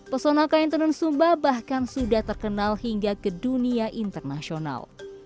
personal kain tenun sumba bahkan sudah terkenal hingga ke dunia internasional